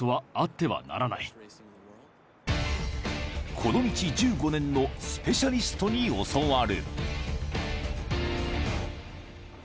［この道１５年のスペシャリストに教わる］